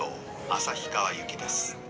旭川行きです。